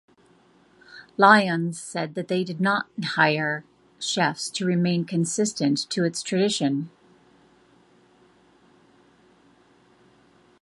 Lyons said that they do not hire chefs to remain consistent to its tradition.